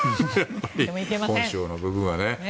本性の部分はね。